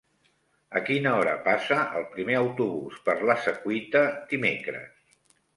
A quina hora passa el primer autobús per la Secuita dimecres?